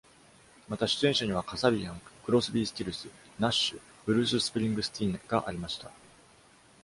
また、出演者にはカサビアン、クロスビー・スティルス、ナッシュ、ブルーススプリングスティーンがありました。